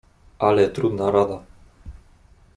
"Ale trudna rada."